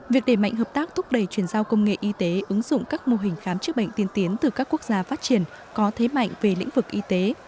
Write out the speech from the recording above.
việc đề mạnh hợp tác thúc đẩy chuyển giao công nghệ y tế ứng dụng các mô hình khám chữa bệnh tiên tiến từ các quốc gia phát triển có thế mạnh về lĩnh vực y tế